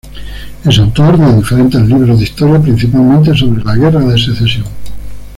Es autor de diferentes libros de historia, principalmente sobre la Guerra de Secesión.